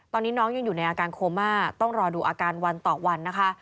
ตอนนี้น้องยังอยู่ในอาการโคม่าต้องรอดูอาการวันต่อวันนะคะ